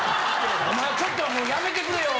お前ちょっともうやめてくれよ！